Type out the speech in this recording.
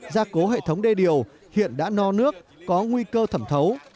gia cố hệ thống đê điều hiện đã no nước có nguy cơ thẩm thấu